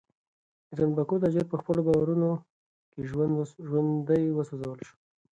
د تنباکو تاجر په خپلو بارونو کې ژوندی وسوځول شو.